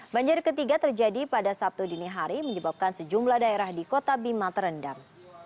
banjir ketiga terjadi pada sabtu dini hari menyebabkan sejumlah daerah di kota bima terendam